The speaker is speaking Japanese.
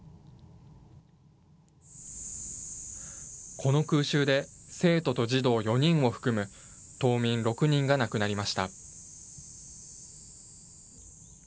この空襲で、生徒と児童４人を含む、島民６人が亡くなりました。